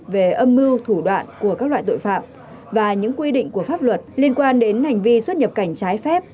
về âm mưu thủ đoạn của các loại tội phạm và những quy định của pháp luật liên quan đến hành vi xuất nhập cảnh trái phép